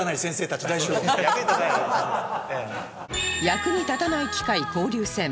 役に立たない機械交流戦